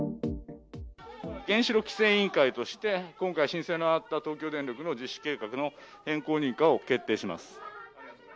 原子力規制委員会として、今回、申請のあった東京電力の実施計画の変更認可を決定します。